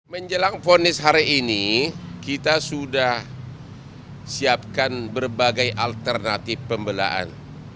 menjelang ponis hari ini kita sudah siapkan berbagai alternatif pembelaan